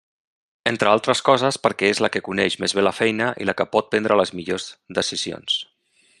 Entre altres coses perquè és la que coneix més bé la feina i la que pot prendre les millors decisions.